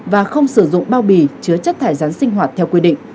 và không sử dụng bao bì chứa chất thải rắn sinh hoạt theo quy định